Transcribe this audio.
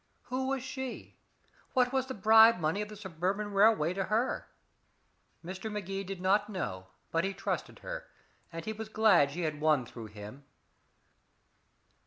Who was she? What was the bribe money of the Suburban Railway to her? Mr. Magee did not know, but he trusted her, and he was glad she had won through him.